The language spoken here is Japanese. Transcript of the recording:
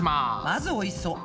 まずおいしそう。